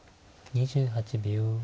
２８秒。